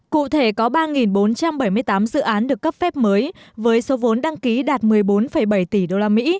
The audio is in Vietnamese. cụ thể có ba bốn trăm bảy mươi tám dự án được cấp phép mới với số vốn đăng ký đạt một mươi bốn bảy tỷ usd